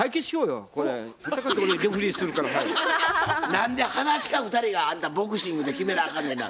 何ではなし家２人がボクシングで決めなあかんねんな。